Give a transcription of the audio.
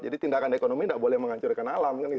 jadi tindakan ekonomi tidak boleh menghancurkan alam kan gitu